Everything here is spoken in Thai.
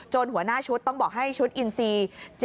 หัวหน้าชุดต้องบอกให้ชุดอินซี